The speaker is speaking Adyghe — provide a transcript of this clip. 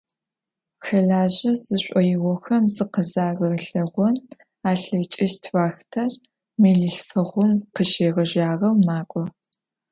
Хэлажьэ зышӏоигъохэм зыкъызагъэлъэгъон алъэкӏыщт уахътэр мэлылъфэгъум къыщегъэжьагъэу макӏо.